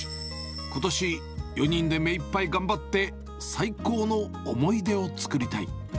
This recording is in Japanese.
ことし、４人で目いっぱい頑張って、最高の思い出を作りたい。